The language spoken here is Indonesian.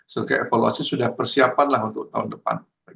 sebagai evaluasi sudah persiapanlah untuk tahun depan